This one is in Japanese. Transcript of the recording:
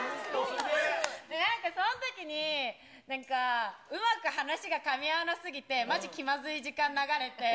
なんかそのときになんか、うまく話がかみ合わなすぎて、まじ気まずい時間流れて。